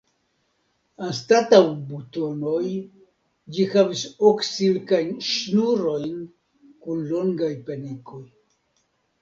Anstataŭ butonoj ĝi havis ok silkajn ŝnurojn kun longaj penikoj.